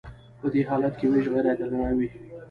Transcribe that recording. په دې حالت کې ویش غیر عادلانه وي.